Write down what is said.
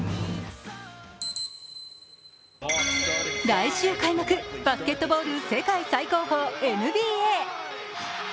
来週開幕、バスケットボール世界最高峰、ＮＢＡ。